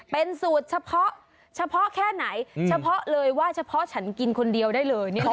เป็นสูตรเฉพาะเฉพาะแค่ไหนเฉพาะเลยว่าเฉพาะฉันกินคนเดียวได้เลย